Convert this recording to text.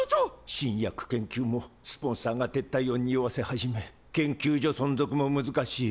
新薬研究もスポンサーが撤退をにおわせ始め研究所存続も難しい。